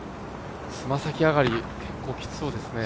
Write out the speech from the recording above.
つま先上がり、結構きつそうですね